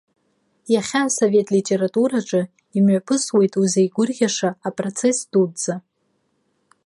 Иахьа асовет литератураҿы имҩаԥысуеит узеигәырӷьаша апроцесс дуӡӡа.